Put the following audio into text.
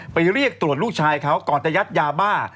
เรียกตรวจลูกชายเขาก่อนจะยัดยาบ้า